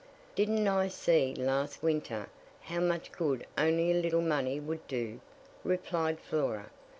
"Didn't I see last winter how much good only a little money would do?" replied Flora.